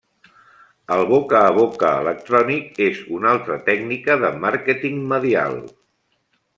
El boca a boca electrònic és una altra tècnica de màrqueting medial.